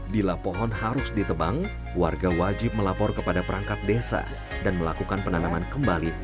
bila pohon harus ditebang warga wajib melapor kepada perangkat desa dan melakukan penanaman kembali